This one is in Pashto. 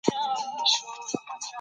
که زده کړه نه وي، بې ثباتي رامنځته کېږي.